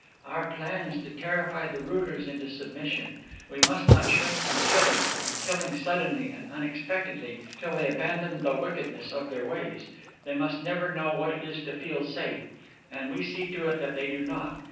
"Our plan is to terrify the rulers into submission. We must not shrink from killing, and killing suddenly and unexpectedly, till they abandon the wickedness of their ways. They must never know what it is to feel safe. And we see to it that they do not.